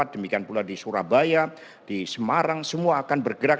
demikian pula di surabaya di semarang semua akan bergerak